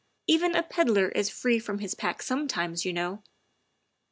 Even a peddler is free from his pack sometimes, you know."